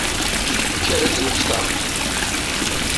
Kker ad nefteṛ.